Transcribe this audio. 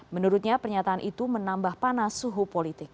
menurutnya pernyataan itu menambah panas suhu politik